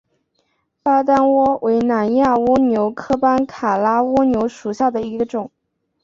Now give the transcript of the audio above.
巴丹蜗为南亚蜗牛科班卡拉蜗牛属下的一个种。